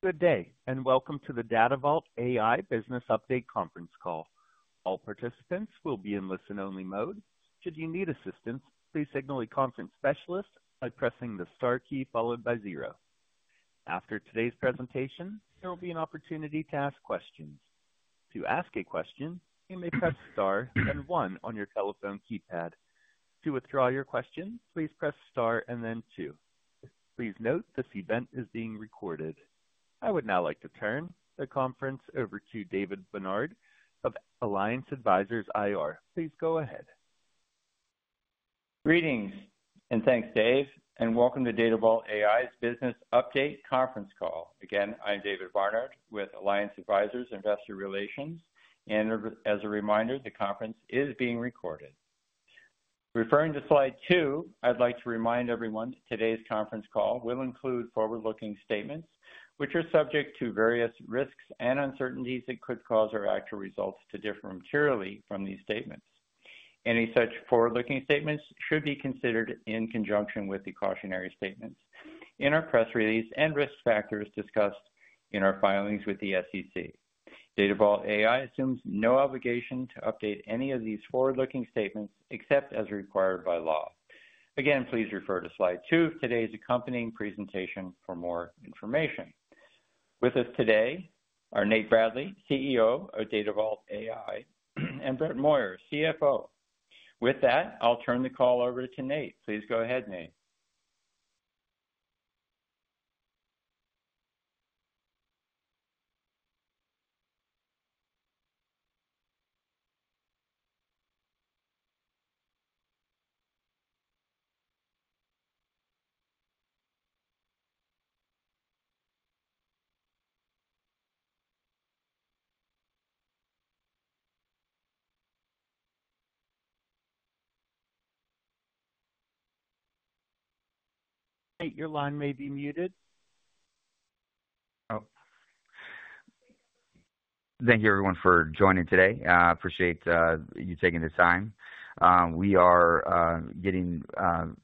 Good day, and welcome to the Datavault AI Business Update Conference Call. All participants will be in listen-only mode. Should you need assistance, please signal a conference specialist by pressing the star key followed by zero. After today's presentation, there will be an opportunity to ask questions. To ask a question, you may press star and one on your telephone keypad. To withdraw your question, please press star and then two. Please note this event is being recorded. I would now like to turn the conference over to David Barnard of Alliance Advisors IR. Please go ahead. Greetings, and thanks, Dave, and welcome to Datavault AI's Business Update Conference Call. Again, I'm David Barnard with Alliance Advisors Investor Relations, and as a reminder, the conference is being recorded. Referring to slide 2, I'd like to remind everyone that today's conference call will include forward-looking statements, which are subject to various risks and uncertainties that could cause our actual results to differ materially from these statements. Any such forward-looking statements should be considered in conjunction with the cautionary statements in our press release and risk factors discussed in our filings with the SEC. Datavault AI assumes no obligation to update any of these forward-looking statements except as required by law. Again, please refer to slide 2 of today's accompanying presentation for more information. With us today are Nate Bradley, CEO of Datavault AI, and Brett Moyer, CFO. With that, I'll turn the call over to Nate. Please go ahead, Nate. Nate, your line may be muted. Oh. Thank you, everyone, for joining today. I appreciate you taking the time. We are getting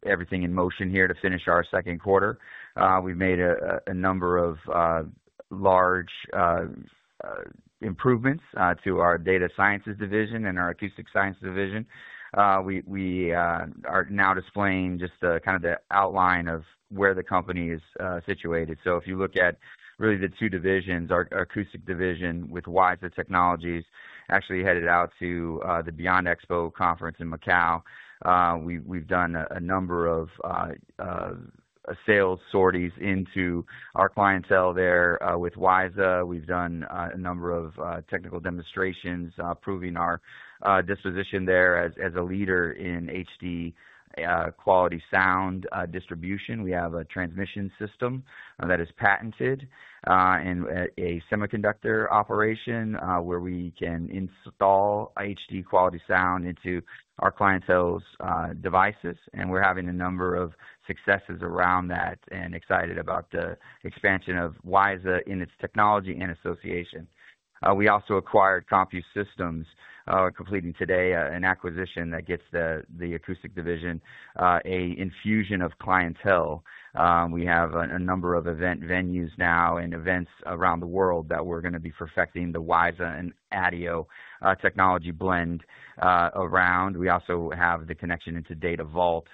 everything in motion here to finish our second quarter. We've made a number of large improvements to our data sciences division and our acoustic science division. We are now displaying just kind of the outline of where the company is situated. If you look at really the 2 divisions, our acoustic division with WiSA Technologies actually headed out to the Beyond Expo conference in Macau. We've done a number of sales sorties into our clientele there with WiSA. We've done a number of technical demonstrations proving our disposition there as a leader in HD quality sound distribution. We have a transmission system that is patented and a semiconductor operation where we can install HD quality sound into our clientele's devices. We're having a number of successes around that and excited about the expansion of WiSA in its technology and association. We also acquired CompUse Systems, completing today an acquisition that gets the acoustic division an infusion of clientele. We have a number of event venues now and events around the world that we're going to be perfecting the WiSA and ADIO technology blend around. We also have the connection into Datavault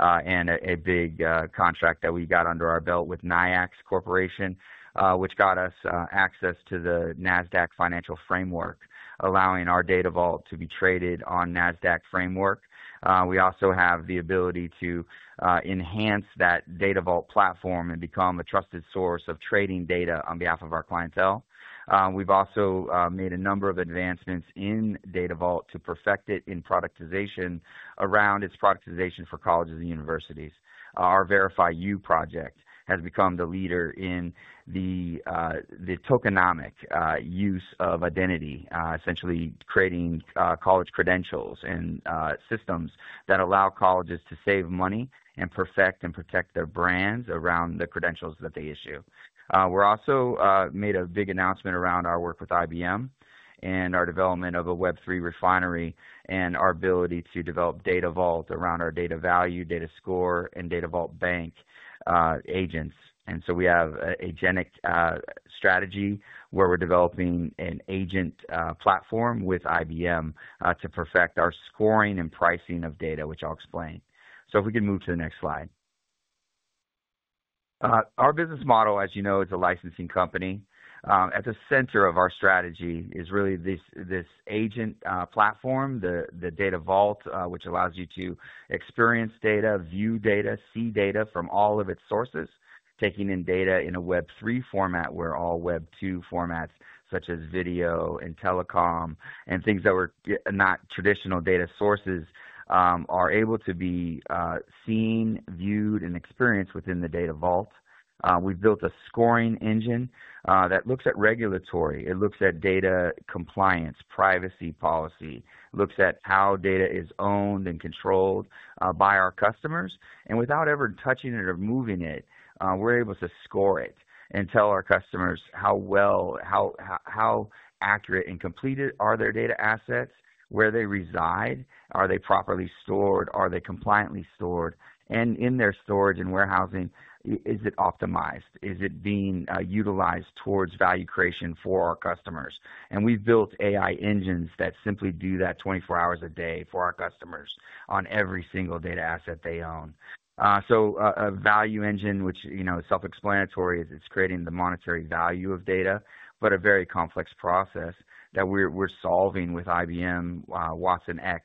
and a big contract that we got under our belt with NIACS Corporation, which got us access to the NASDAQ Financial Framework, allowing our Datavault to be traded on NASDAQ Framework. We also have the ability to enhance that Datavault platform and become a trusted source of trading data on behalf of our clientele. We've also made a number of advancements in Datavault to perfect it in productization around its productization for colleges and universities. Our VerifyU project has become the leader in the tokenomic use of identity, essentially creating college credentials and systems that allow colleges to save money and perfect and protect their brands around the credentials that they issue. We have also made a big announcement around our work with IBM and our development of a Web3 refinery and our ability to develop Datavault around our data value, data score, and Datavault Bank agents. We have a genetic strategy where we are developing an agent platform with IBM to perfect our scoring and pricing of data, which I will explain. If we could move to the next slide. Our business model, as you know, is a licensing company. At the center of our strategy is really this agent platform, the Datavault, which allows you to experience data, view data, see data from all of its sources, taking in data in a Web3 format where all Web2 formats, such as video and telecom and things that were not traditional data sources, are able to be seen, viewed, and experienced within the Datavault. We've built a scoring engine that looks at regulatory. It looks at data compliance, privacy policy, looks at how data is owned and controlled by our customers. Without ever touching it or moving it, we're able to score it and tell our customers how accurate and complete are their data assets, where they reside, are they properly stored, are they compliantly stored, and in their storage and warehousing, is it optimized, is it being utilized towards value creation for our customers. We have built AI engines that simply do that 24 hours a day for our customers on every single data asset they own. A value engine, which is self-explanatory, is creating the monetary value of data, but a very complex process that we are solving with IBM watsonx.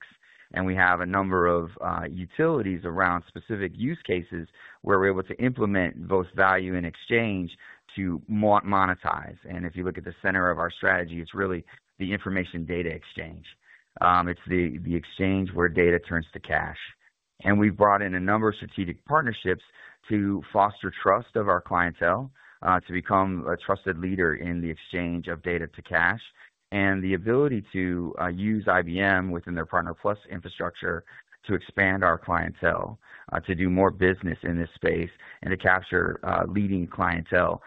We have a number of utilities around specific use cases where we are able to implement both value and exchange to monetize. If you look at the center of our strategy, it is really the Information Data Exchange. It is the exchange where data turns to cash. We have brought in a number of strategic partnerships to foster trust of our clientele to become a trusted leader in the exchange of data to cash and the ability to use IBM within their Partner Plus infrastructure to expand our clientele, to do more business in this space, and to capture leading clientele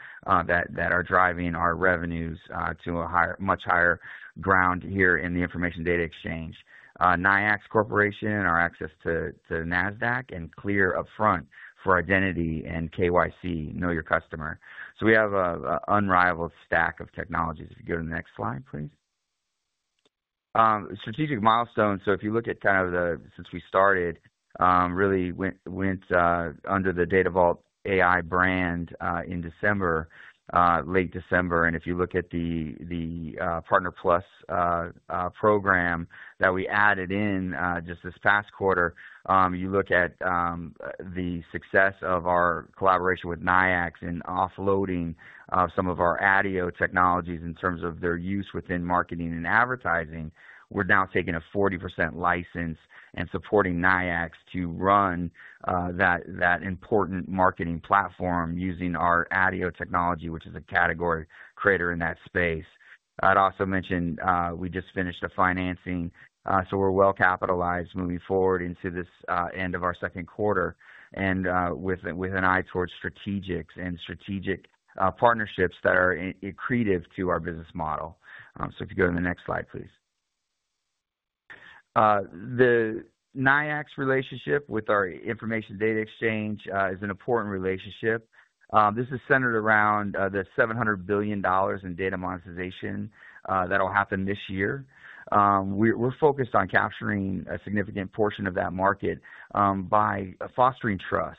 that are driving our revenues to a much higher ground here in the Information Data Exchange. NIACS Corporation, our access to NASDAQ, and Clear Upfront for identity and KYC, know your customer. We have an unrivaled stack of technologies. If you go to the next slide, please. Strategic milestones. If you look at kind of the since we started, really went under the Datavault AI brand in December, late December. If you look at the Partner Plus program that we added in just this past quarter, you look at the success of our collaboration with NIACS in offloading some of our ADIO technologies in terms of their use within marketing and advertising. We're now taking a 40% license and supporting NIACS to run that important marketing platform using our ADIO technology, which is a category creator in that space. I'd also mentioned we just finished the financing. We're well capitalized moving forward into this end of our second quarter and with an eye towards strategics and strategic partnerships that are creative to our business model. If you go to the next slide, please. The NIACS relationship with our Information Data Exchange is an important relationship. This is centered around the $700 billion in data monetization that will happen this year. We're focused on capturing a significant portion of that market by fostering trust.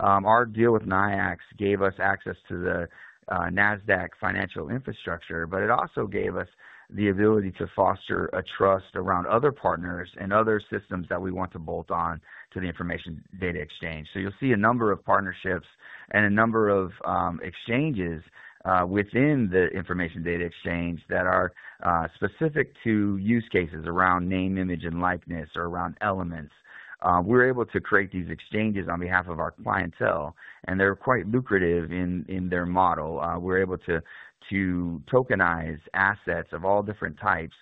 Our deal with NIACS gave us access to the NASDAQ financial infrastructure, but it also gave us the ability to foster a trust around other partners and other systems that we want to bolt on to the Information Data Exchange. You will see a number of partnerships and a number of exchanges within the Information Data Exchange that are specific to use cases around name, image, and likeness, or around elements. We're able to create these exchanges on behalf of our clientele, and they're quite lucrative in their model. We're able to tokenize assets of all different types,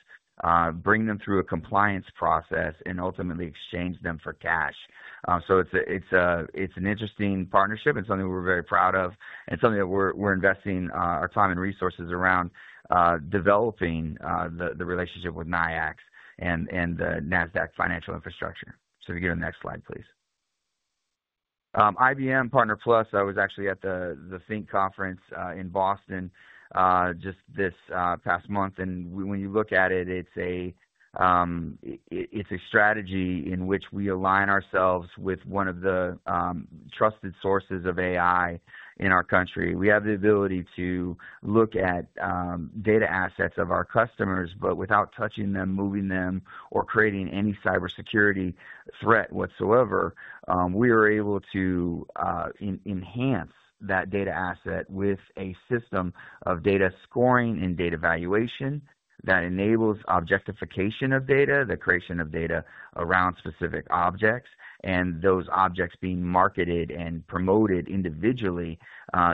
bring them through a compliance process, and ultimately exchange them for cash. It's an interesting partnership and something we're very proud of and something that we're investing our time and resources around developing the relationship with NIACS and the NASDAQ financial infrastructure. If you go to the next slide, please. IBM Partner Plus, I was actually at the Think Conference in Boston just this past month. When you look at it, it's a strategy in which we align ourselves with one of the trusted sources of AI in our country. We have the ability to look at data assets of our customers, but without touching them, moving them, or creating any cybersecurity threat whatsoever, we are able to enhance that data asset with a system of data scoring and data valuation that enables objectification of data, the creation of data around specific objects, and those objects being marketed and promoted individually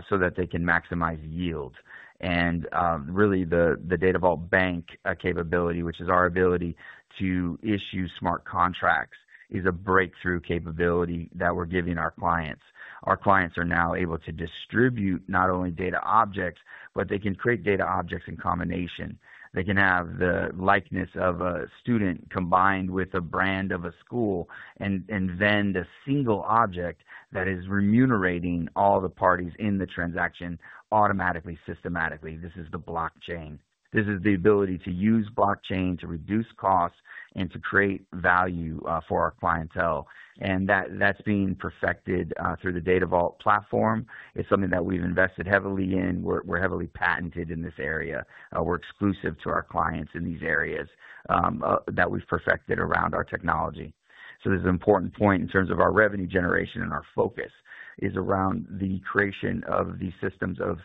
so that they can maximize yield. Really, the Datavault Bank capability, which is our ability to issue smart contracts, is a breakthrough capability that we are giving our clients. Our clients are now able to distribute not only data objects, but they can create data objects in combination. They can have the likeness of a student combined with a brand of a school and vend a single object that is remunerating all the parties in the transaction automatically, systematically. This is the blockchain. This is the ability to use blockchain to reduce costs and to create value for our clientele. That is being perfected through the Datavault platform. It is something that we have invested heavily in. We are heavily patented in this area. We are exclusive to our clients in these areas that we have perfected around our technology. This is an important point in terms of our revenue generation and our focus is around the creation of these systems of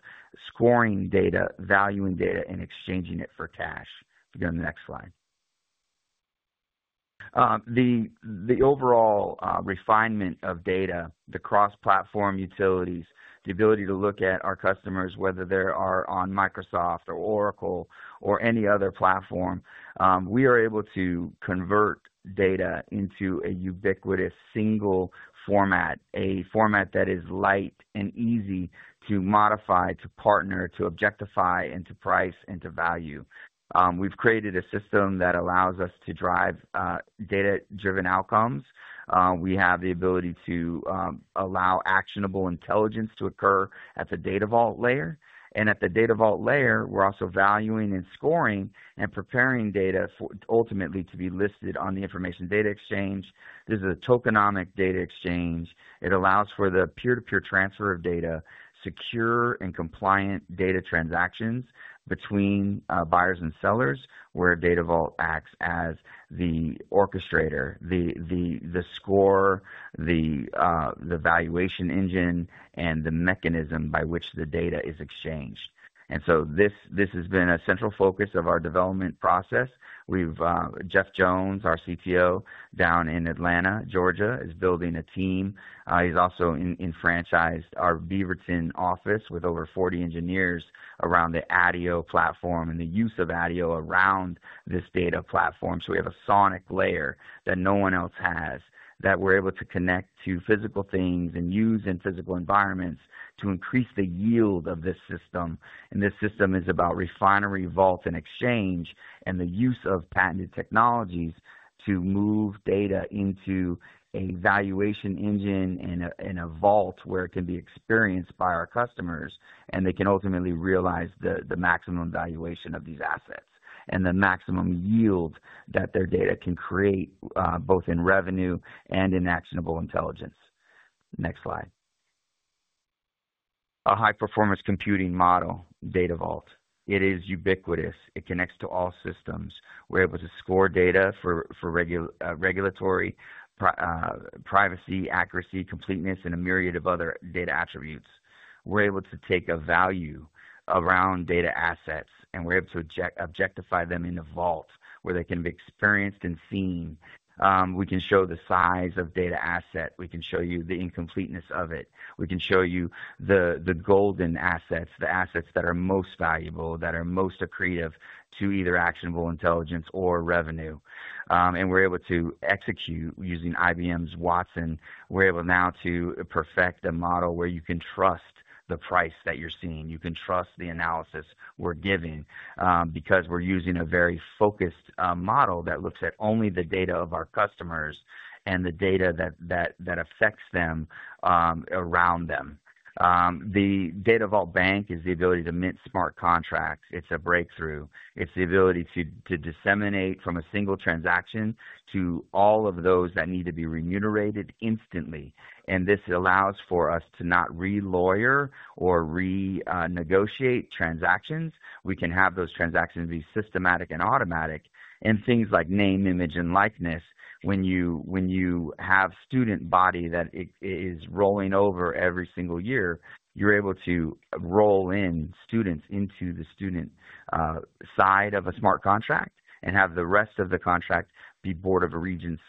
scoring data, valuing data, and exchanging it for cash. If you go to the next slide. The overall refinement of data, the cross-platform utilities, the ability to look at our customers, whether they are on Microsoft or Oracle or any other platform, we are able to convert data into a ubiquitous single format, a format that is light and easy to modify, to partner, to objectify, and to price and to value. We have created a system that allows us to drive data-driven outcomes. We have the ability to allow actionable intelligence to occur at the Datavault layer. At the Datavault layer, we are also valuing and scoring and preparing data ultimately to be listed on the Information Data Exchange. This is a tokenomic data exchange. It allows for the peer-to-peer transfer of data, secure and compliant data transactions between buyers and sellers where Datavault acts as the orchestrator, the score, the valuation engine, and the mechanism by which the data is exchanged. This has been a central focus of our development process. Jeff Jones, our CTO down in Atlanta, Georgia, is building a team. He has also enfranchised our Beaverton office with over 40 engineers around the ADIO platform and the use of ADIO around this data platform. We have a sonic layer that no one else has that we are able to connect to physical things and use in physical environments to increase the yield of this system. This system is about refinery, vault, and exchange, and the use of patented technologies to move data into a valuation engine and a vault where it can be experienced by our customers, and they can ultimately realize the maximum valuation of these assets and the maximum yield that their data can create both in revenue and in actionable intelligence. Next slide. A high-performance computing model, Datavault. It is ubiquitous. It connects to all systems. We're able to score data for regulatory privacy, accuracy, completeness, and a myriad of other data attributes. We're able to take a value around data assets, and we're able to objectify them in a vault where they can be experienced and seen. We can show the size of data asset. We can show you the incompleteness of it. We can show you the golden assets, the assets that are most valuable, that are most accretive to either actionable intelligence or revenue. We are able to execute using IBM's watson. We are able now to perfect a model where you can trust the price that you are seeing. You can trust the analysis we are giving because we are using a very focused model that looks at only the data of our customers and the data that affects them around them. The Datavault Bank is the ability to mint smart contracts. It is a breakthrough. It is the ability to disseminate from a single transaction to all of those that need to be remunerated instantly. This allows for us to not re-lawyer or renegotiate transactions. We can have those transactions be systematic and automatic. Things like name, image, and likeness, when you have a student body that is rolling over every single year, you're able to roll in students into the student side of a smart contract and have the rest of the contract be board of regent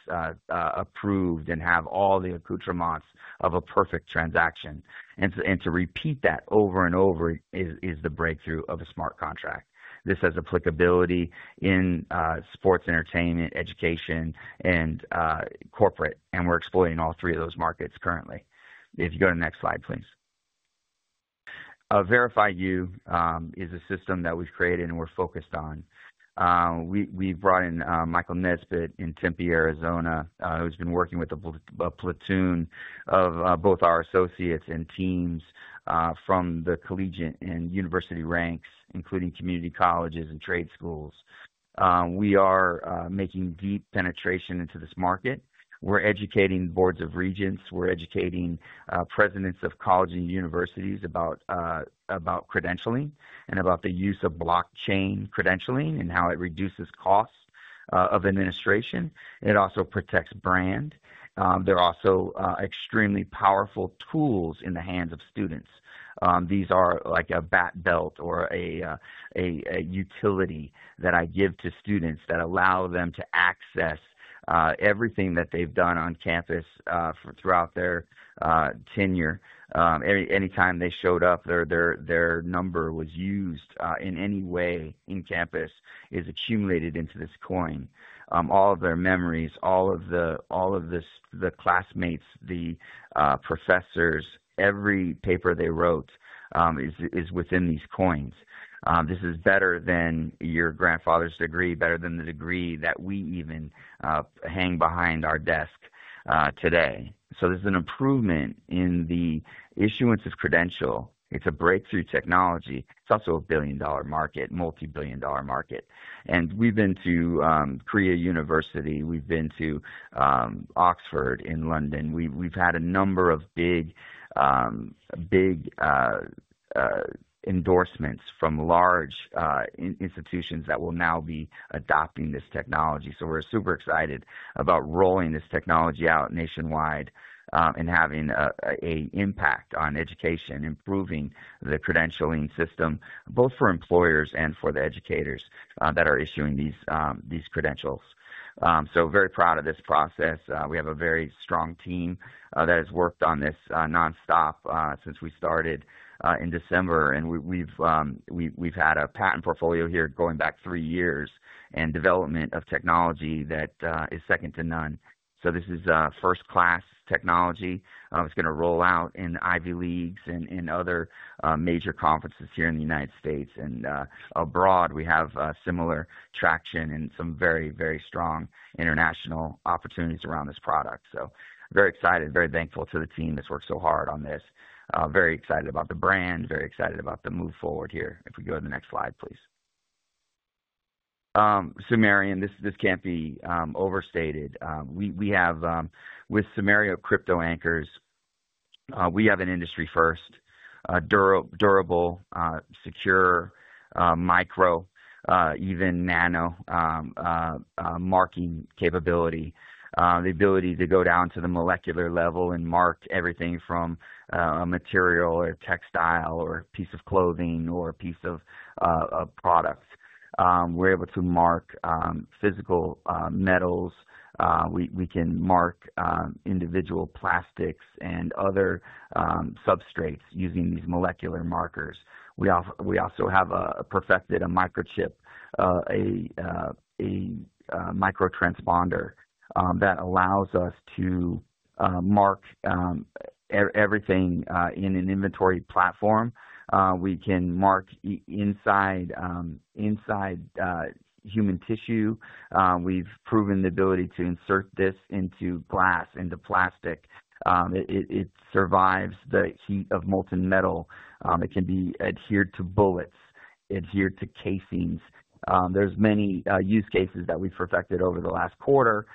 approved and have all the accoutrements of a perfect transaction. To repeat that over and over is the breakthrough of a smart contract. This has applicability in sports, entertainment, education, and corporate. We're exploiting all three of those markets currently. If you go to the next slide, please. VerifyU is a system that we've created and we're focused on. We've brought in Michael Nesbitt in Tempe, Arizona, who's been working with a platoon of both our associates and teams from the collegiate and university ranks, including community colleges and trade schools. We are making deep penetration into this market. We're educating boards of regents. We're educating presidents of colleges and universities about credentialing and about the use of blockchain credentialing and how it reduces costs of administration. It also protects brand. There are also extremely powerful tools in the hands of students. These are like a bat belt or a utility that I give to students that allow them to access everything that they've done on campus throughout their tenure. Anytime they showed up, their number was used in any way in campus is accumulated into this coin. All of their memories, all of the classmates, the professors, every paper they wrote is within these coins. This is better than your grandfather's degree, better than the degree that we even hang behind our desk today. There's an improvement in the issuance of credential. It's a breakthrough technology. It's also a billion-dollar market, multi-billion-dollar market. We have been to Korea University. We have been to Oxford in London. We have had a number of big endorsements from large institutions that will now be adopting this technology. We are super excited about rolling this technology out nationwide and having an impact on education, improving the credentialing system, both for employers and for the educators that are issuing these credentials. We are very proud of this process. We have a very strong team that has worked on this nonstop since we started in December. We have had a patent portfolio here going back three years and development of technology that is second to none. This is first-class technology. It is going to roll out in Ivy Leagues and other major conferences here in the United States. Abroad, we have similar traction and some very, very strong international opportunities around this product. Very excited, very thankful to the team that's worked so hard on this. Very excited about the brand, very excited about the move forward here. If we go to the next slide, please. Sumerian, this can't be overstated. With Sumerian Crypto Anchors, we have an industry-first, durable, secure, micro, even nano marking capability, the ability to go down to the molecular level and mark everything from a material or textile or piece of clothing or a piece of product. We're able to mark physical metals. We can mark individual plastics and other substrates using these molecular markers. We also have perfected a microchip, a microtransponder that allows us to mark everything in an inventory platform. We can mark inside human tissue. We've proven the ability to insert this into glass, into plastic. It survives the heat of molten metal. It can be adhered to bullets, adhered to casings. There's many use cases that we've perfected over the last quarter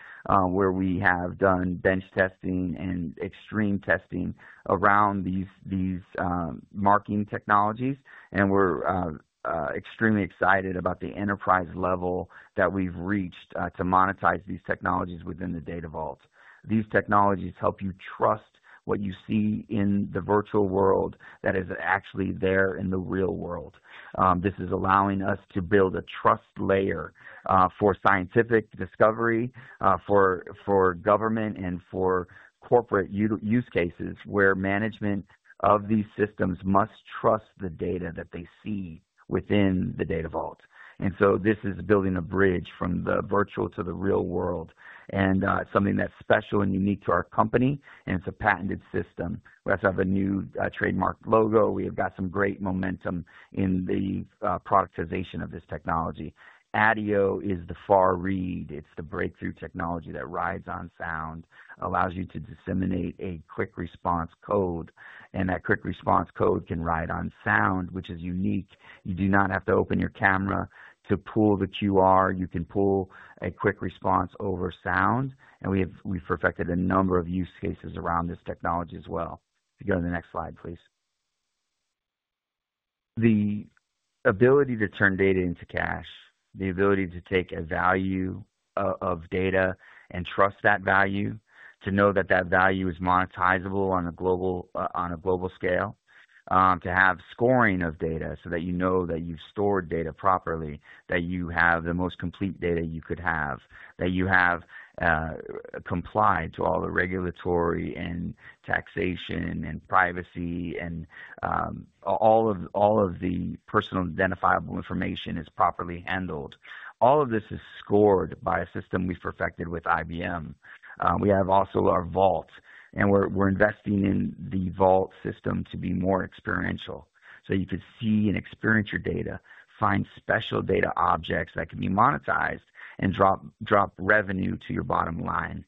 where we have done bench testing and extreme testing around these marking technologies. We're extremely excited about the enterprise level that we've reached to monetize these technologies within the Datavault. These technologies help you trust what you see in the virtual world that is actually there in the real world. This is allowing us to build a trust layer for scientific discovery, for government, and for corporate use cases where management of these systems must trust the data that they see within the Datavault. This is building a bridge from the virtual to the real world. It's something that's special and unique to our company. It's a patented system. We also have a new trademark logo. We have got some great momentum in the productization of this technology. ADIO is the far read. It's the breakthrough technology that rides on sound, allows you to disseminate a quick response code. That quick response code can ride on sound, which is unique. You do not have to open your camera to pull the QR. You can pull a quick response over sound. We've perfected a number of use cases around this technology as well. If you go to the next slide, please. The ability to turn data into cash, the ability to take a value of data and trust that value, to know that that value is monetizable on a global scale, to have scoring of data so that you know that you've stored data properly, that you have the most complete data you could have, that you have complied to all the regulatory and taxation and privacy and all of the personal identifiable information is properly handled. All of this is scored by a system we've perfected with IBM. We have also our vault. We're investing in the vault system to be more experiential. You could see and experience your data, find special data objects that can be monetized, and drop revenue to your bottom line.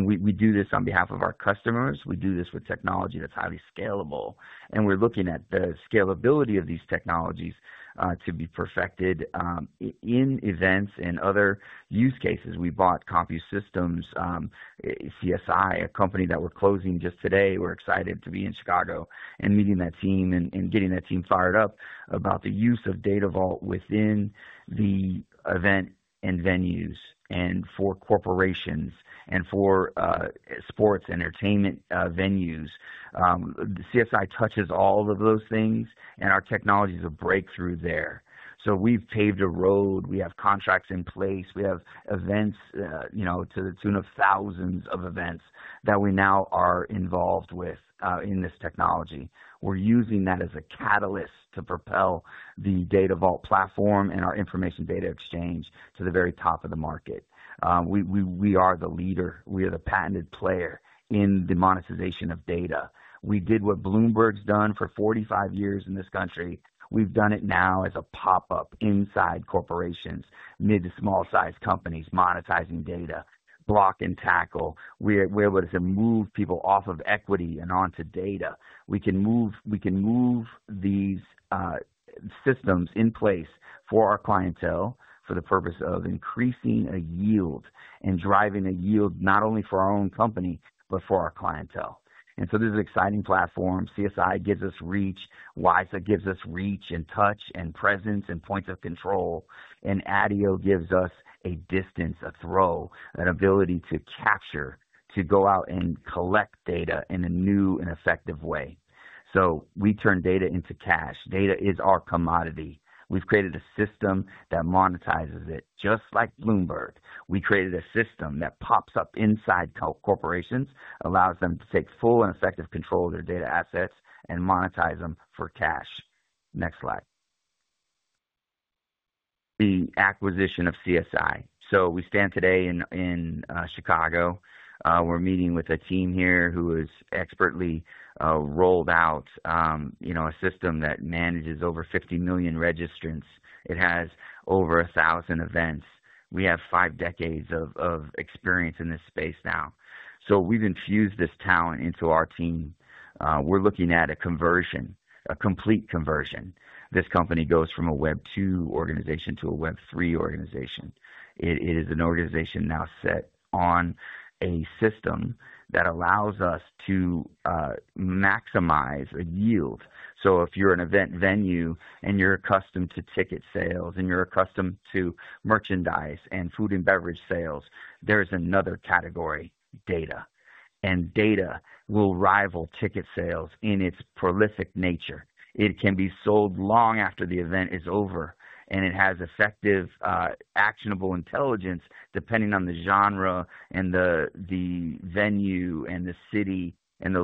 We do this on behalf of our customers. We do this with technology that's highly scalable. We're looking at the scalability of these technologies to be perfected in events and other use cases. We bought CompUse Systems, CSI, a company that we're closing just today. We're excited to be in Chicago and meeting that team and getting that team fired up about the use of Datavault within the event and venues and for corporations and for sports entertainment venues. CSI touches all of those things, and our technology is a breakthrough there. We've paved a road. We have contracts in place. We have events to the tune of thousands of events that we now are involved with in this technology. We are using that as a catalyst to propel the Datavault platform and our Information Data Exchange to the very top of the market. We are the leader. We are the patented player in the monetization of data. We did what Bloomberg's done for 45 years in this country. We have done it now as a pop-up inside corporations, mid to small-sized companies monetizing data, block and tackle. We are able to move people off of equity and onto data. We can move these systems in place for our clientele for the purpose of increasing a yield and driving a yield not only for our own company, but for our clientele. This is an exciting platform. CSI gives us reach. WiSA gives us reach and touch and presence and points of control. ADIO gives us a distance, a throw, an ability to capture, to go out and collect data in a new and effective way. We turn data into cash. Data is our commodity. We have created a system that monetizes it just like Bloomberg. We created a system that pops up inside corporations, allows them to take full and effective control of their data assets and monetize them for cash. Next slide. The acquisition of CSI. We stand today in Chicago. We are meeting with a team here who has expertly rolled out a system that manages over 50 million registrants. It has over 1,000 events. We have 5 decades of experience in this space now. We have infused this talent into our team. We are looking at a conversion, a complete conversion. This company goes from a Web2 organization to a Web3 organization. It is an organization now set on a system that allows us to maximize a yield. If you're an event venue and you're accustomed to ticket sales and you're accustomed to merchandise and food and beverage sales, there is another category, data. Data will rival ticket sales in its prolific nature. It can be sold long after the event is over, and it has effective, actionable intelligence depending on the genre and the venue and the city and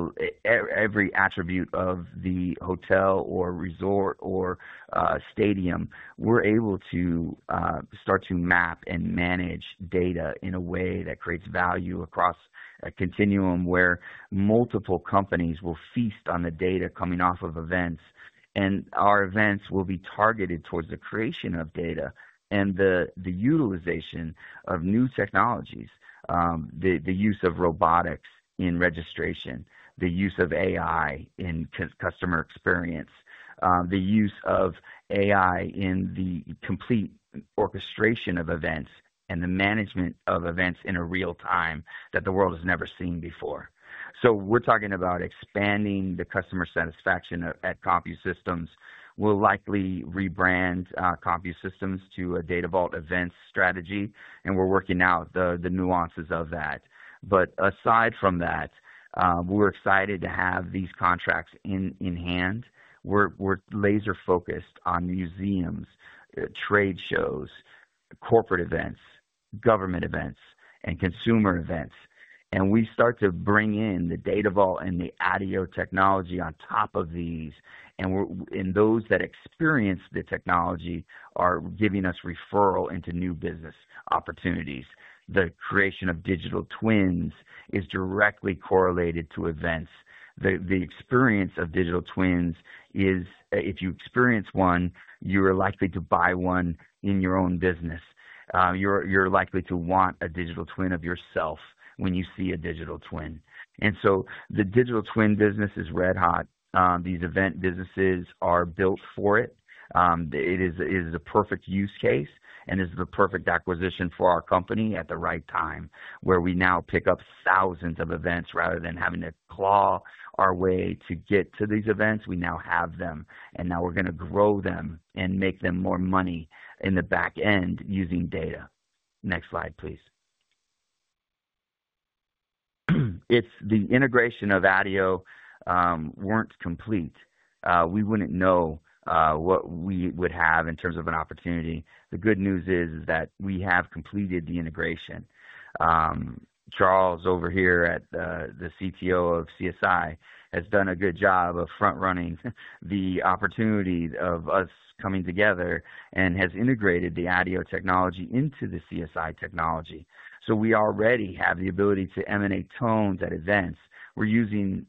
every attribute of the hotel or resort or stadium. We're able to start to map and manage data in a way that creates value across a continuum where multiple companies will feast on the data coming off of events. Our events will be targeted towards the creation of data and the utilization of new technologies, the use of robotics in registration, the use of AI in customer experience, the use of AI in the complete orchestration of events and the management of events in a real time that the world has never seen before. We are talking about expanding the customer satisfaction at CompUse Systems. We'll likely rebrand CompUse Systems to a Datavault Events strategy. We are working out the nuances of that. Aside from that, we're excited to have these contracts in hand. We're laser-focused on museums, trade shows, corporate events, government events, and consumer events. We start to bring in the Datavault and the ADIO technology on top of these. Those that experience the technology are giving us referral into new business opportunities. The creation of digital twins is directly correlated to events. The experience of digital twins is, if you experience one, you are likely to buy one in your own business. You're likely to want a digital twin of yourself when you see a digital twin. The digital twin business is red hot. These event businesses are built for it. It is a perfect use case and is the perfect acquisition for our company at the right time where we now pick up thousands of events rather than having to claw our way to get to these events. We now have them. We are going to grow them and make them more money in the back end using data. Next slide, please. If the integration of ADIO were not complete, we would not know what we would have in terms of an opportunity. The good news is that we have completed the integration. Charles over here at the CTO of CSI has done a good job of front-running the opportunity of us coming together and has integrated the ADIO technology into the CSI technology. We already have the ability to emanate tones at events. We're using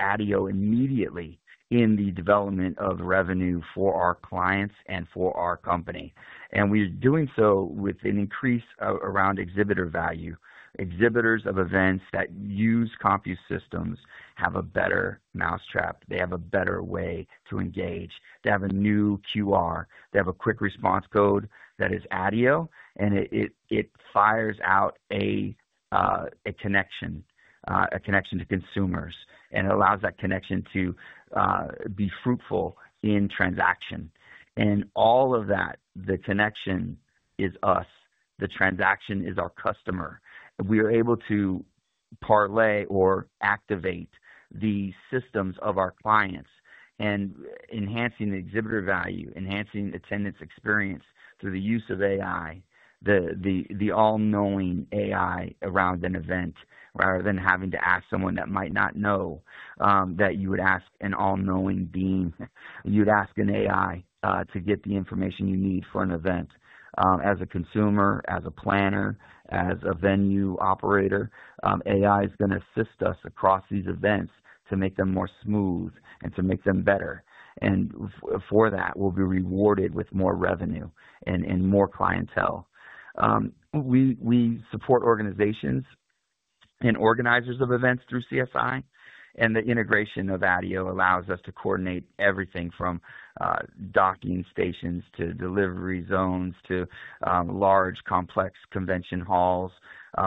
ADIO immediately in the development of revenue for our clients and for our company. We're doing so with an increase around exhibitor value. Exhibitors of events that use CompUse Systems have a better mousetrap. They have a better way to engage. They have a new QR. They have a quick response code that is ADIO, and it fires out a connection, a connection to consumers. It allows that connection to be fruitful in transaction. All of that, the connection is us. The transaction is our customer. We are able to parlay or activate the systems of our clients and enhancing the exhibitor value, enhancing attendance experience through the use of AI, the all-knowing AI around an event rather than having to ask someone that might not know that you would ask an all-knowing being. You'd ask an AI to get the information you need for an event. As a consumer, as a planner, as a venue operator, AI is going to assist us across these events to make them more smooth and to make them better. For that, we'll be rewarded with more revenue and more clientele. We support organizations and organizers of events through CSI. The integration of ADIO allows us to coordinate everything from docking stations to delivery zones to large, complex convention halls.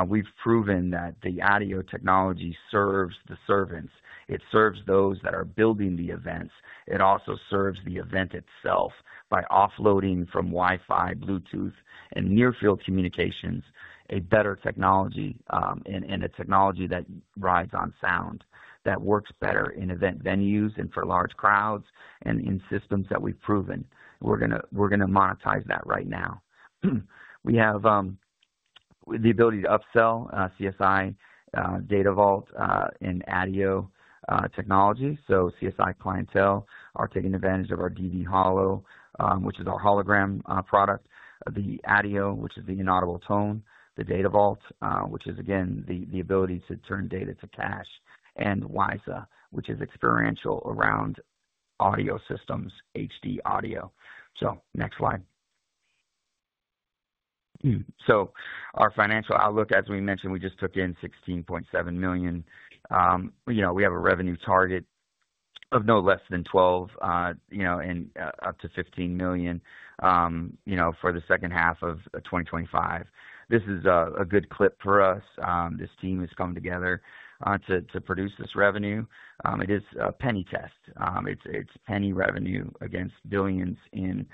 We've proven that the ADIO technology serves the servants. It serves those that are building the events. It also serves the event itself by offloading from Wi-Fi, Bluetooth, and near-field communications a better technology and a technology that rides on sound that works better in event venues and for large crowds and in systems that we've proven. We're going to monetize that right now. We have the ability to upsell CSI, Datavault, and ADIO technology. So CSI clientele are taking advantage of our DB Hollow, which is our hologram product, the ADIO, which is the inaudible tone, the Datavault, which is, again, the ability to turn data to cash, and WiSA, which is experiential around audio systems, HD audio. Next slide. Our financial outlook, as we mentioned, we just took in $16.7 million. We have a revenue target of no less than $12 million and up to $15 million for the second half of 2025. This is a good clip for us. This team has come together to produce this revenue. It is a penny test. It's penny revenue against billions in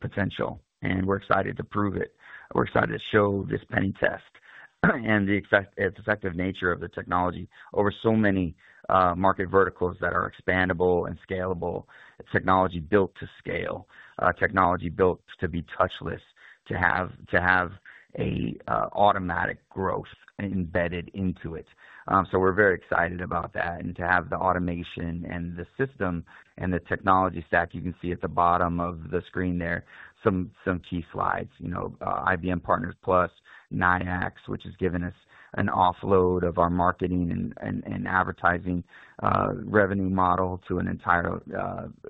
potential. We're excited to prove it. We're excited to show this penny test and the effective nature of the technology over so many market verticals that are expandable and scalable, technology built to scale, technology built to be touchless, to have an automatic growth embedded into it. We're very excited about that. To have the automation and the system and the technology stack, you can see at the bottom of the screen there some key slides. IBM Partners Plus, NIACS, which has given us an offload of our marketing and advertising revenue model to an entire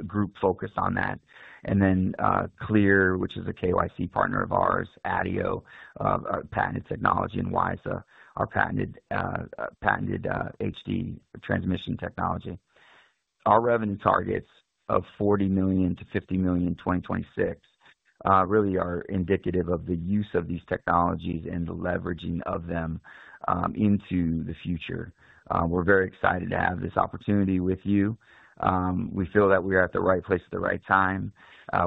group focused on that. Then Clear, which is a KYC partner of ours, ADIO, our patented technology, and WiSA, our patented HD transmission technology. Our revenue targets of $40 million-$50 million in 2026 really are indicative of the use of these technologies and the leveraging of them into the future. We are very excited to have this opportunity with you. We feel that we are at the right place at the right time.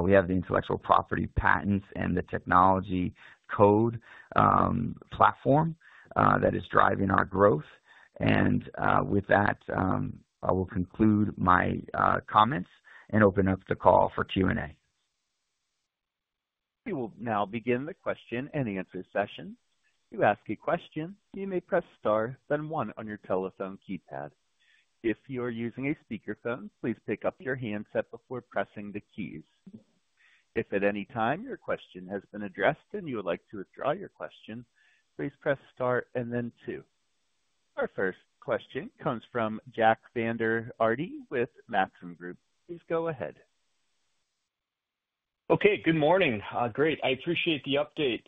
We have the intellectual property patents and the technology code platform that is driving our growth. With that, I will conclude my comments and open up the call for Q&A. We will now begin the question and answer session. To ask a question, you may press *, then 1 on your telephone keypad. If you are using a speakerphone, please pick up your handset before pressing the keys. If at any time your question has been addressed and you would like to withdraw your question, please press * and then 2. Our first question comes from Jack Vander Aarde with Maxim Group. Please go ahead. Okay. Good morning. Great. I appreciate the update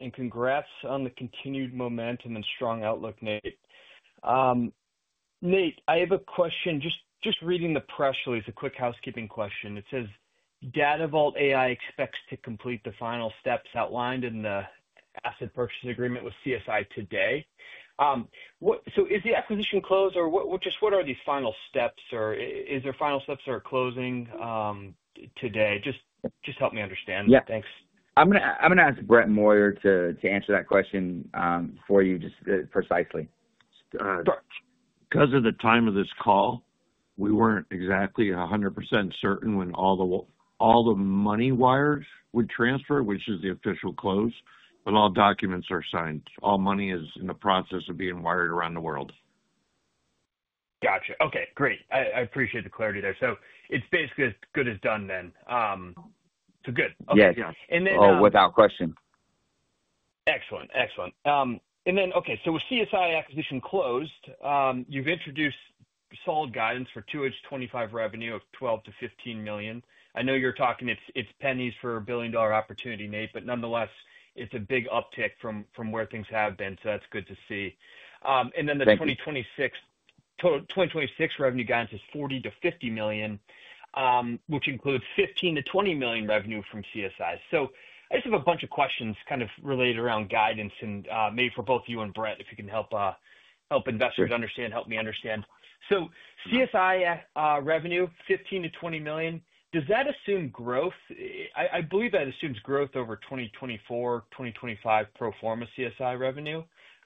and congrats on the continued momentum and strong outlook, Nate. Nate, I have a question. Just reading the press release, a quick housekeeping question. It says, "Datavault AI expects to complete the final steps outlined in the asset purchase agreement with CSI today." So is the acquisition closed? Or just what are these final steps? Or is there final steps that are closing today? Just help me understand that. Thanks. Yeah. I'm going to ask Brett Moyer to answer that question for you just precisely. Because of the time of this call, we were not exactly 100% certain when all the money wires would transfer, which is the official close. But all documents are signed. All money is in the process of being wired around the world. Gotcha. Okay. Great. I appreciate the clarity there. It is basically as good as done then. Good. Okay. Yeah. Or without question. Excellent. Excellent. Okay, CSI acquisition closed. You have introduced solid guidance for 2H2025 revenue of $12 million-$15 million. I know you are talking it is pennies for a billion-dollar opportunity, Nate, but nonetheless, it is a big uptick from where things have been. That is good to see. The 2026 revenue guidance is $40 million-$50 million, which includes $15 million-$20 million revenue from CSI. I just have a bunch of questions kind of related around guidance and maybe for both you and Brett, if you can help investors understand, help me understand. CSI revenue, $15 million-$20 million. Does that assume growth? I believe that assumes growth over 2024, 2025 pro forma CSI revenue.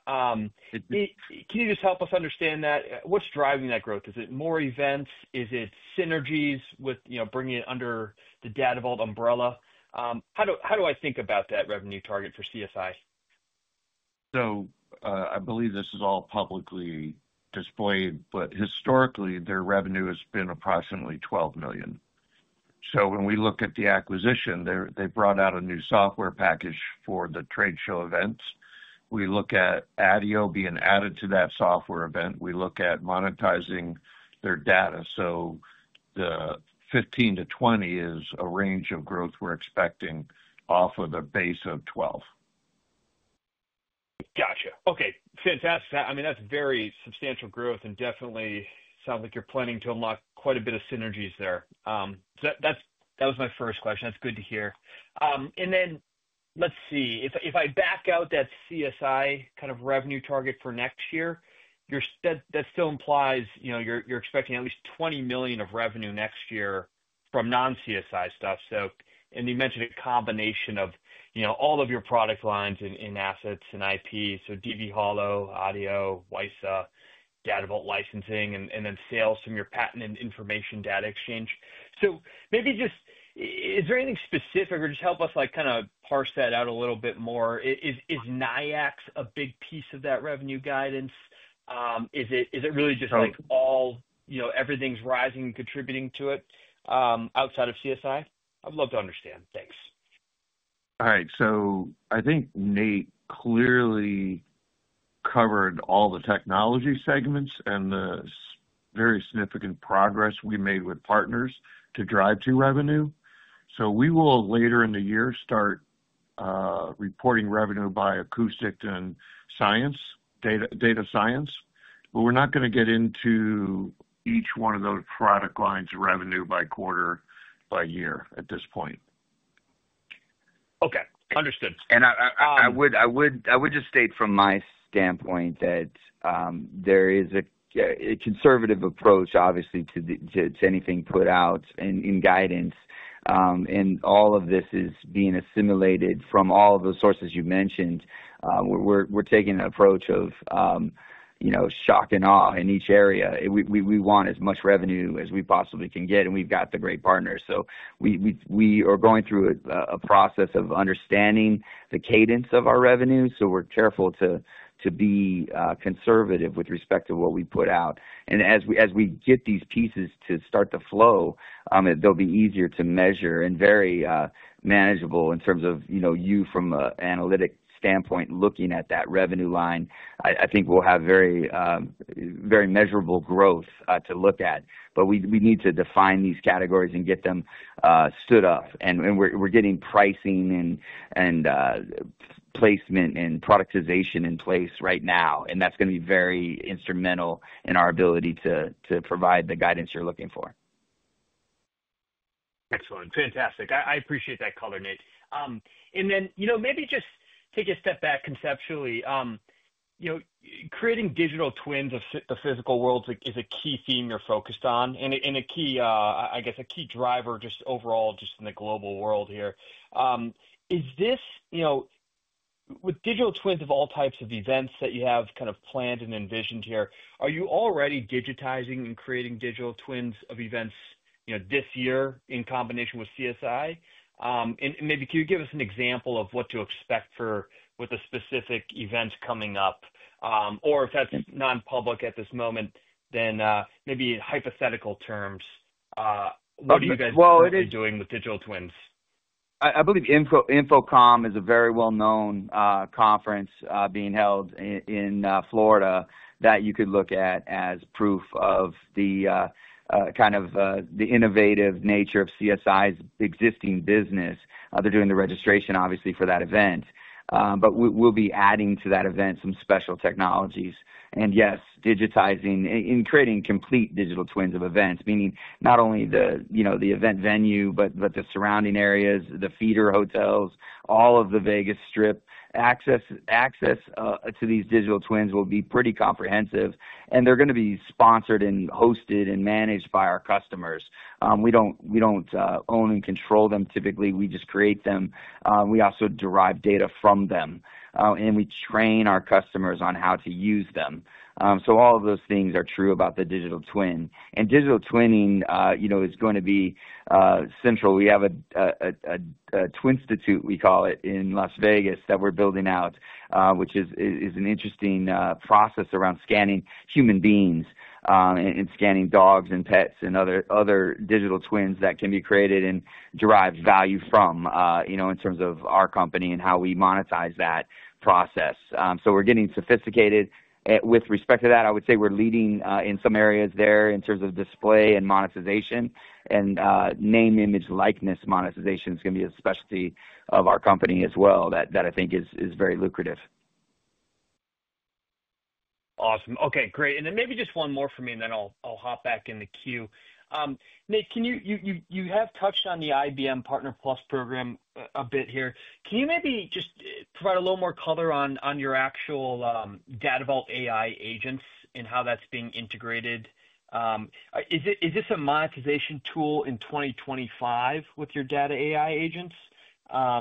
Can you just help us understand that? What's driving that growth? Is it more events? Is it synergies with bringing it under the Datavault umbrella? How do I think about that revenue target for CSI? I believe this is all publicly displayed, but historically, their revenue has been approximately $12 million. When we look at the acquisition, they brought out a new software package for the trade show events. We look at ADIO being added to that software event. We look at monetizing their data. The $15 million-$20 million is a range of growth we're expecting off of the base of $12 million. Gotcha. Okay. Fantastic. I mean, that's very substantial growth and definitely sounds like you're planning to unlock quite a bit of synergies there. That was my first question. That's good to hear. And then let's see. If I back out that CSI kind of revenue target for next year, that still implies you're expecting at least $20 million of revenue next year from non-CSI stuff. And you mentioned a combination of all of your product lines and assets and IPs. So DB Hollow, ADIO, WiSA, Datavault licensing, and then sales from your patent and Information Data Exchange. Maybe just, is there anything specific or just help us kind of parse that out a little bit more? Is NIACS a big piece of that revenue guidance? Is it really just like everything's rising and contributing to it outside of CSI? I'd love to understand. Thanks. All right. I think Nate clearly covered all the technology segments and the very significant progress we made with partners to drive to revenue. We will later in the year start reporting revenue by acoustic and data science. We're not going to get into each one of those product lines of revenue by quarter, by year at this point. Okay. Understood. I would just state from my standpoint that there is a conservative approach, obviously, to anything put out in guidance. All of this is being assimilated from all of the sources you've mentioned. We're taking an approach of shock and awe in each area. We want as much revenue as we possibly can get. We've got the great partners. We are going through a process of understanding the cadence of our revenue. We're careful to be conservative with respect to what we put out. As we get these pieces to start to flow, they'll be easier to measure and very manageable in terms of you from an analytic standpoint looking at that revenue line. I think we'll have very measurable growth to look at. We need to define these categories and get them stood up. We're getting pricing and placement and productization in place right now. That's going to be very instrumental in our ability to provide the guidance you're looking for. Excellent. Fantastic. I appreciate that color, Nate. Maybe just take a step back conceptually. Creating digital twins of the physical world is a key theme you're focused on and, I guess, a key driver just overall just in the global world here. With digital twins of all types of events that you have kind of planned and envisioned here, are you already digitizing and creating digital twins of events this year in combination with CSI? Maybe can you give us an example of what to expect for with a specific event coming up? Or if that's non-public at this moment, then maybe in hypothetical terms, what are you guys currently doing with digital twins? I believe InfoComm is a very well-known conference being held in Florida that you could look at as proof of kind of the innovative nature of CSI's existing business. They're doing the registration, obviously, for that event. We will be adding to that event some special technologies. Yes, digitizing and creating complete digital twins of events, meaning not only the event venue, but the surrounding areas, the feeder hotels, all of the Vegas Strip. Access to these digital twins will be pretty comprehensive. They are going to be sponsored and hosted and managed by our customers. We do not own and control them. Typically, we just create them. We also derive data from them. We train our customers on how to use them. All of those things are true about the digital twin. Digital twinning is going to be central. We have a twin institute, we call it, in Las Vegas that we're building out, which is an interesting process around scanning human beings and scanning dogs and pets and other digital twins that can be created and derived value from in terms of our company and how we monetize that process. We're getting sophisticated. With respect to that, I would say we're leading in some areas there in terms of display and monetization. Name-image likeness monetization is going to be a specialty of our company as well that I think is very lucrative. Awesome. Okay. Great. Maybe just one more for me, and then I'll hop back in the queue. Nate, you have touched on the IBM Partner Plus program a bit here. Can you maybe just provide a little more color on your actual Datavault AI agents and how that's being integrated? Is this a monetization tool in 2025 with your data AI agents? I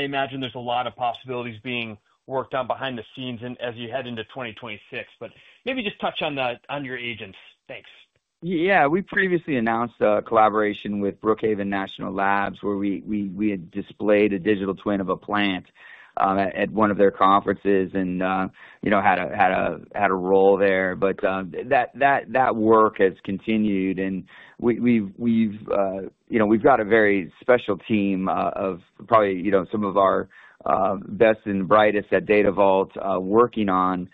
imagine there's a lot of possibilities being worked on behind the scenes as you head into 2026. Maybe just touch on your agents. Thanks. Yeah. We previously announced a collaboration with Brookhaven National Labs where we had displayed a digital twin of a plant at one of their conferences and had a role there. That work has continued. We've got a very special team of probably some of our best and brightest at Datavault working on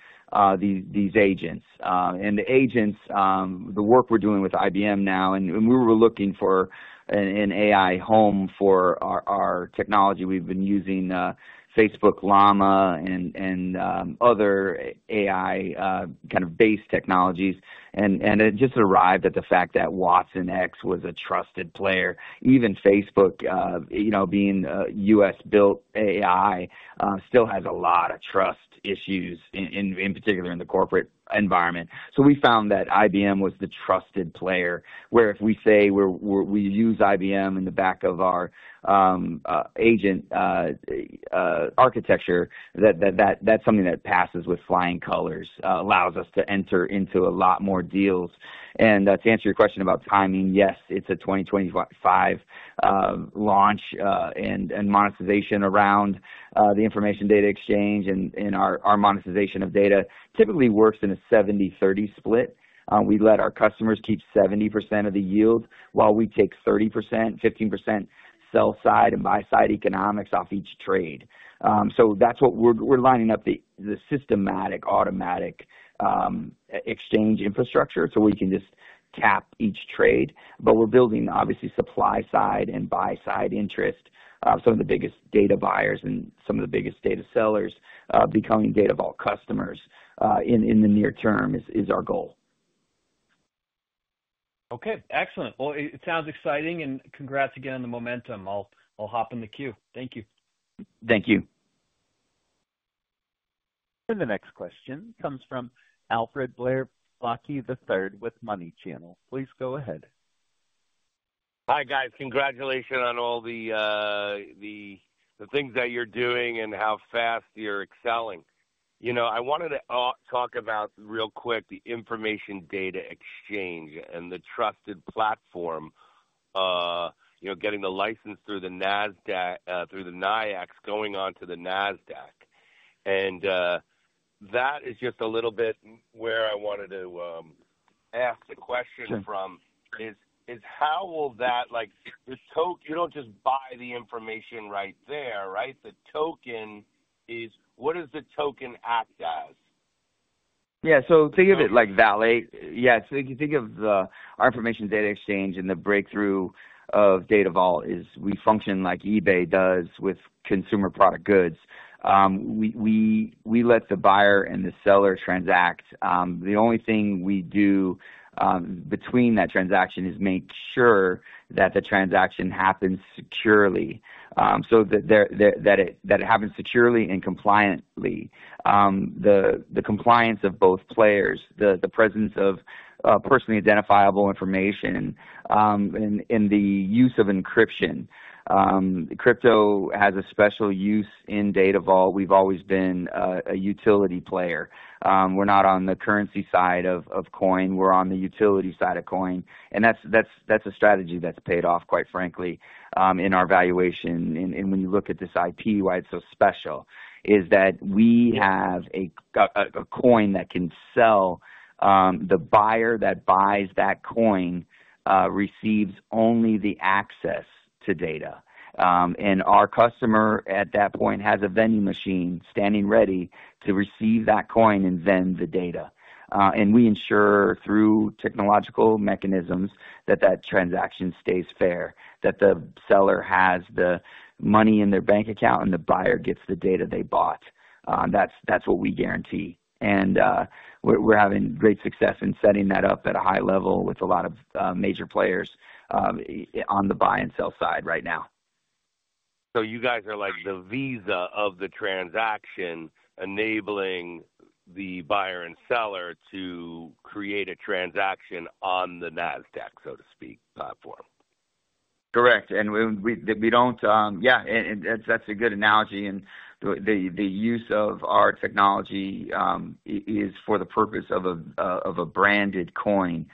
these agents. The agents, the work we're doing with IBM now, and we were looking for an AI home for our technology. We've been using Facebook Llama and other AI kind of based technologies. It just arrived at the fact that watsonx was a trusted player. Even Facebook, being a US-built AI, still has a lot of trust issues, in particular in the corporate environment. We found that IBM was the trusted player. If we say we use IBM in the back of our agent architecture, that's something that passes with flying colors, allows us to enter into a lot more deals. To answer your question about timing, yes, it's a 2025 launch. Monetization around the Information Data Exchange and our monetization of data typically works in a 70/30 split. We let our customers keep 70% of the yield while we take 30%, 15% sell side and buy side economics off each trade. That's what we're lining up, the systematic automatic exchange infrastructure so we can just tap each trade. We're building, obviously, supply side and buy side interest. Some of the biggest data buyers and some of the biggest data sellers becoming Datavault customers in the near term is our goal. Excellent. It sounds exciting. Congrats again on the momentum. I'll hop in the queue. Thank you. Thank you. The next question comes from Alfred Blair Blaikie III with Money Channel. Please go ahead. Hi guys. Congratulations on all the things that you're doing and how fast you're excelling. I wanted to talk about real quick the Information Data Exchange and the trusted platform, getting the license through the NASDAQ, through the NIACS, going on to the NASDAQ. That is just a little bit where I wanted to ask the question from is how will that you don't just buy the information right there, right? The token is what does the token act as? Yeah. So think of it like valet. Yeah. So if you think of our Information Data Exchange and the breakthrough of Datavault is we function like eBay does with consumer product goods. We let the buyer and the seller transact. The only thing we do between that transaction is make sure that the transaction happens securely so that it happens securely and compliantly. The compliance of both players, the presence of personally identifiable information, and the use of encryption. Crypto has a special use in Datavault. We've always been a utility player. We're not on the currency side of coin. We're on the utility side of coin. And that's a strategy that's paid off, quite frankly, in our valuation. When you look at this IP, why it's so special is that we have a coin that can sell. The buyer that buys that coin receives only the access to data. Our customer at that point has a vending machine standing ready to receive that coin and vend the data. We ensure through technological mechanisms that that transaction stays fair, that the seller has the money in their bank account and the buyer gets the data they bought. That's what we guarantee. We're having great success in setting that up at a high level with a lot of major players on the buy and sell side right now. You guys are like the Visa of the transaction, enabling the buyer and seller to create a transaction on the NASDAQ, so to speak, platform. Correct. That's a good analogy. The use of our technology is for the purpose of a branded coin.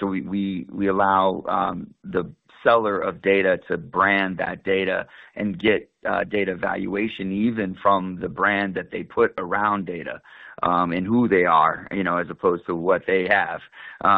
We allow the seller of data to brand that data and get data valuation even from the brand that they put around data and who they are as opposed to what they have. There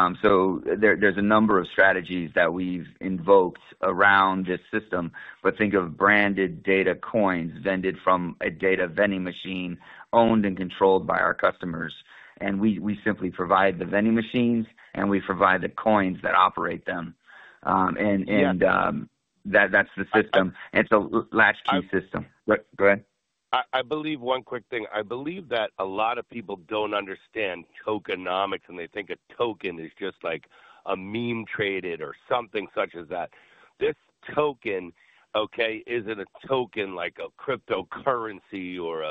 are a number of strategies that we have invoked around this system. Think of branded data coins vended from a data vending machine owned and controlled by our customers. We simply provide the vending machines and we provide the coins that operate them. That is the system. It is a latchkey system. Go ahead. I believe one quick thing. I believe that a lot of people do not understand tokenomics and they think a token is just like a meme traded or something such as that. This token is not a token like a cryptocurrency or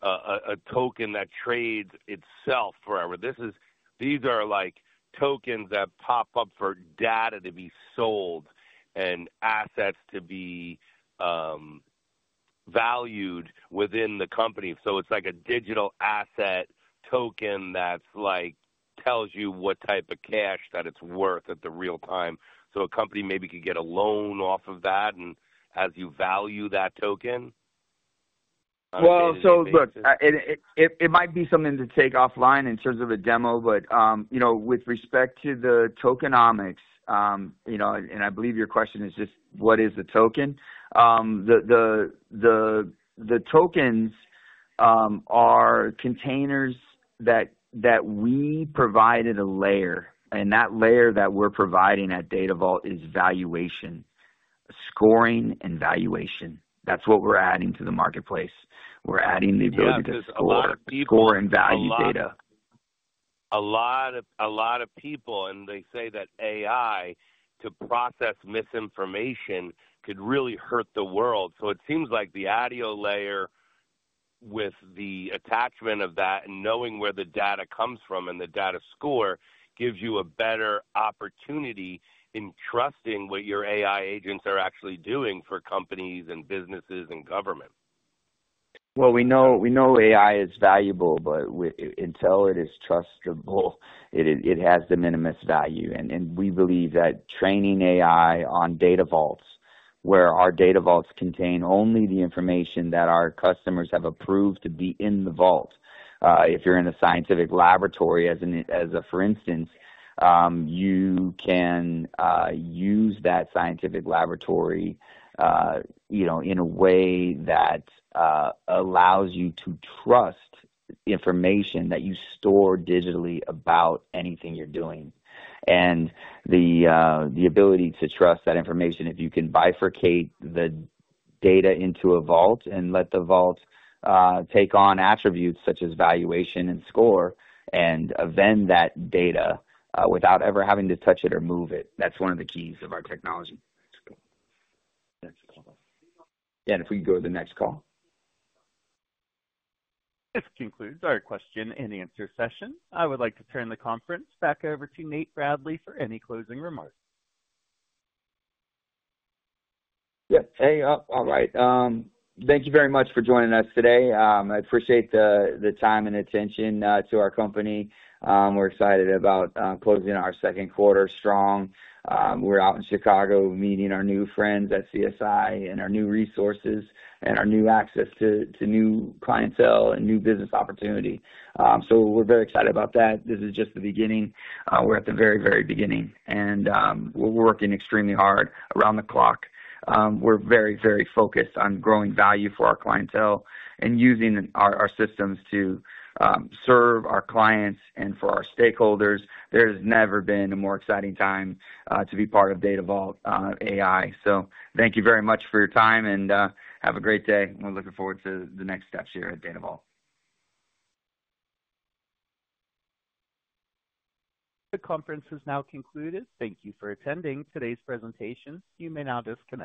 a token that trades itself forever. These are like tokens that pop up for data to be sold and assets to be valued within the company. It is like a digital asset token that tells you what type of cash that it is worth at the real time. A company maybe could get a loan off of that and as you value that token. It might be something to take offline in terms of a demo. With respect to the tokenomics, and I believe your question is just what is the token? The tokens are containers that we provided a layer. That layer that we are providing at Datavault is valuation, scoring, and valuation. That is what we are adding to the marketplace. We are adding the ability to score and value data. A lot of people, and they say that AI to process misinformation could really hurt the world. It seems like the audio layer with the attachment of that and knowing where the data comes from and the DataScore gives you a better opportunity in trusting what your AI agents are actually doing for companies and businesses and government. We know AI is valuable, but until it is trustable, it has the minimus value. We believe that training AI on Datavaults, where our Datavaults contain only the information that our customers have approved to be in the vault, if you're in a scientific laboratory, as a for instance, you can use that scientific laboratory in a way that allows you to trust information that you store digitally about anything you're doing. The ability to trust that information, if you can bifurcate the data into a vault and let the vault take on attributes such as valuation and score and vend that data without ever having to touch it or move it, is one of the keys of our technology. Yeah. If we can go to the next call. This concludes our question and answer session. I would like to turn the conference back over to Nate Bradley for any closing remarks. Yes. Hey. All right. Thank you very much for joining us today. I appreciate the time and attention to our company. We're excited about closing our second quarter strong. We're out in Chicago meeting our new friends at CSI and our new resources and our new access to new clientele and new business opportunity. We're very excited about that. This is just the beginning. We're at the very, very beginning. We're working extremely hard around the clock. We're very, very focused on growing value for our clientele and using our systems to serve our clients and for our stakeholders. There has never been a more exciting time to be part of Datavault AI. Thank you very much for your time and have a great day. We're looking forward to the next steps here at Datavault. The conference has now concluded. Thank you for attending today's presentation. You may now disconnect.